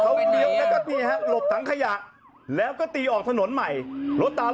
อันนี้คือกล้องจากมอเตอร์ไซด์